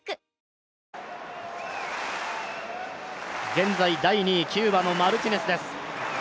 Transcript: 現在、第２位、キューバのマルティネスです。